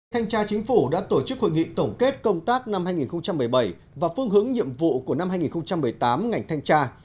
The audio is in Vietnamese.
thanh tra chính phủ đã tổ chức hội nghị tổng kết công tác năm hai nghìn một mươi bảy và phương hướng nhiệm vụ của năm hai nghìn một mươi tám ngành thanh tra